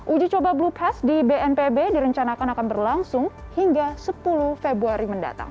uji coba blue pass di bnpb direncanakan akan berlangsung hingga sepuluh februari mendatang